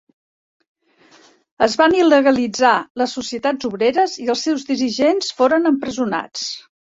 Es van il·legalitzar les societats obreres i els seus dirigents foren empresonats.